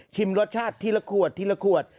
รสชาติทีละขวดทีละขวด